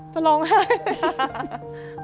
จะร้องไห้